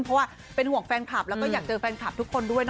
เพราะว่าเป็นห่วงแฟนคลับแล้วก็อยากเจอแฟนคลับทุกคนด้วยนะ